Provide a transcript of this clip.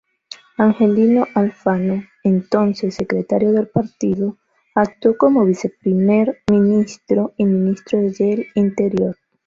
Angelino Alfano, entonces secretario del partido, actuó como Viceprimer Ministro y Ministro del Interior.